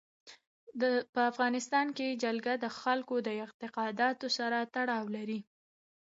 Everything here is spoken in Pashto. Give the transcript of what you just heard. په افغانستان کې جلګه د خلکو د اعتقاداتو سره تړاو لري.